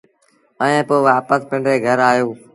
ائيٚݩ پو وآپس پنڊري گھر آيوس۔